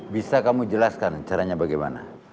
bisa kamu jelaskan caranya bagaimana